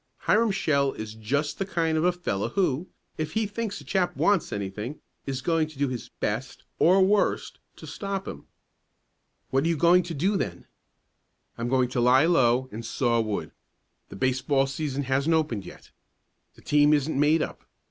Hiram Shell is just the kind of a fellow who, if he thinks a chap wants anything, is going to do his best or worst to stop him." "What are you going to do then?" "I'm going to lie low and saw wood. The baseball season hasn't opened yet. The team isn't made up.